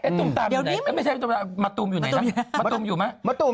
ตุ่มตาอยู่ไหนไม่ใช่ตุ่มตามาตุ่มอยู่ไหนนะมาตุ่มอยู่ไหมมาตุ่ม